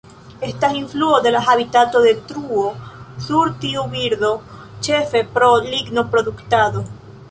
Estas influo de la habitatodetruo sur tiu birdo, ĉefe pro lignoproduktado.